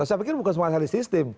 saya pikir bukan semua halnya sistem